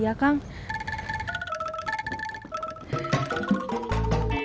udah cukup yang ini